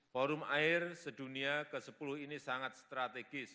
forum air sedunia ke sepuluh ini sangat strategis